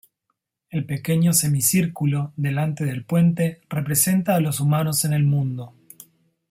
El pequeño semicírculo delante del puente representa a los humanos en el mundo.